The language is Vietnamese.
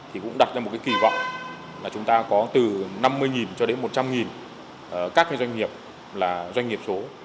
thì cũng đặt ra một cái kỳ vọng là chúng ta có từ năm mươi cho đến một trăm linh các doanh nghiệp là doanh nghiệp số